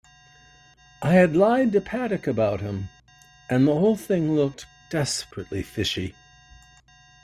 I had lied to Paddock about him, and the whole thing looked desperately fishy.